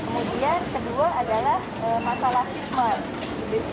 kemudian kedua adalah masalah hismah